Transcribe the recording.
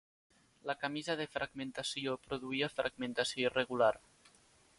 La camisa de fragmentació produïa fragmentació irregular.